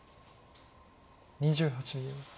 ２８秒。